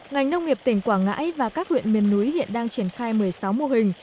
ngành nông nghiệp tỉnh quảng ngãi và các huyện miền núi hiện đang triển khai một mươi sáu mô hình